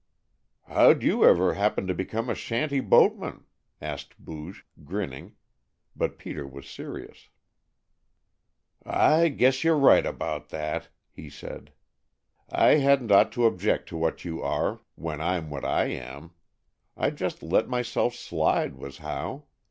"How'd you ever happen to become a shanty boatman?" asked Booge, grinning, but Peter was serious. "I guess you 're right about that," he said. "I hadn't ought to object to what you are, when I'm what I am. I just let myself slide, was how.